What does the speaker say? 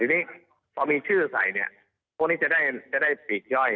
ทีนี้พอมีชื่อใส่เนี่ยพวกนี้จะได้ปีกย่อย